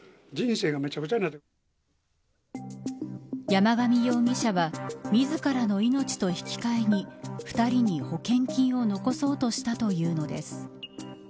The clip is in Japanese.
山上容疑者は自らの命と引き換えに２人に保険金を残そうとしたというのです。